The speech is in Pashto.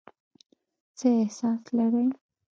څه احساس لرئ ؟